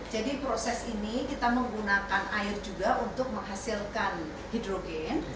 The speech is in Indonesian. jadi proses ini kita menggunakan air juga untuk menghasilkan hidrogen